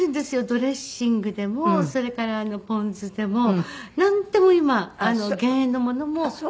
ドレッシングでもそれからポン酢でもなんでも今減塩のものもたくさんあるんです。